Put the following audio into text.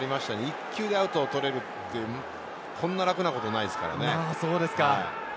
１球でアウトを取れるってこんな楽なことはないですからね。